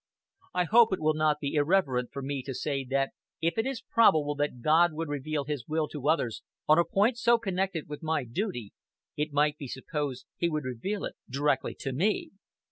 I hope it will not be irreverent for me to say that if it is probable that God would reveal his will to others on a point so connected with my duty, it might be supposed he would reveal it directly to me....